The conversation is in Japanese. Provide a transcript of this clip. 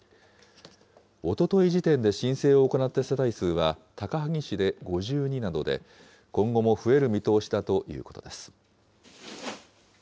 おととい時点で申請を行った世帯数は高萩市で５２などで、今後も増える見通しだということです。